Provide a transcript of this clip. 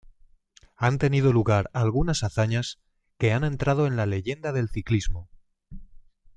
Han tenido lugar algunas hazañas que han entrado en la leyenda del ciclismo.